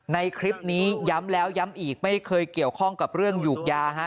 ในคลิปนี้ย้ำแล้วย้ำอีกไม่เคยเกี่ยวข้องกับเรื่องหยูกยาฮะ